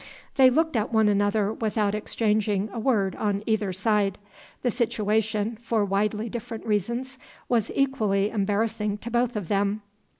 They looked at one another without exchanging a word on either side. The situation for widely different reasons was equally embarrassing to both of them.